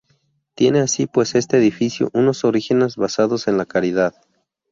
Tiene así pues este edificio unos orígenes basados en la caridad.